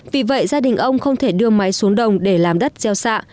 vì vậy gia đình ông không thể đưa máy xuống đồng để làm đất gieo xạ